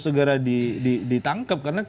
segera ditangkap karena